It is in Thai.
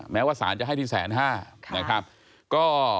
แม้ว่าสารจะให้ที่๑๐๕๐๐๐บาท